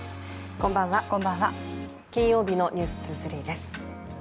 こんばんは、金曜日の「ｎｅｗｓ２３」です。